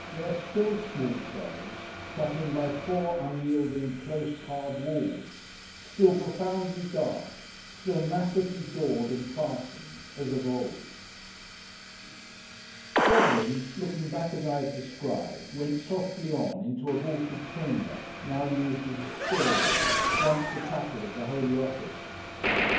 They are still small cells, shut in by four unyielding, close, hard walls; still profoundly dark; still massively doored and fastened, as of old. Goblin, looking back as I have described, went softly on, into a vaulted chamber, now used as a store room: once the chapel of the Holy Office.